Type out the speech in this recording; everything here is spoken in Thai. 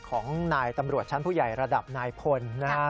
ของนายตำรวจชั้นผู้ใหญ่ระดับนายพลนะครับ